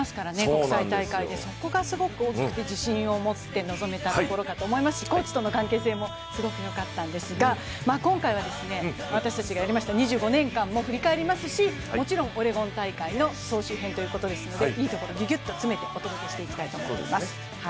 国際大会で、そこがすごく大きくて自信を持って臨めたところだと思いますしコーチとの関係性もすごくよかったんですが今回は私たちがやりました２５年間も振り返りますしもちろん、オレゴン大会の総集編ということですのでいいところギュギュッと詰めてお届けしていきたいと思います。